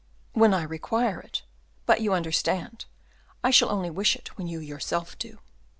"When I require it; but, you understand, I shall only wish it when you yourself do."